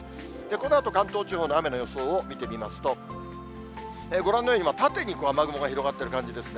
このあと、関東地方の雨の予想を見てみますと、ご覧のように、縦に雨雲が広がってる感じですね。